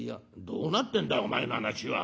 「どうなってんだお前の話は」。